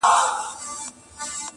شنه باغونه د ګیدړ په قباله سي -